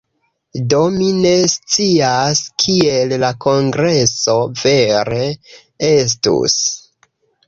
Do mi ne scias, kiel la kongreso vere estus.